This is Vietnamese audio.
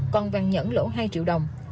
còn vàng nhẫn lỗ hai triệu đồng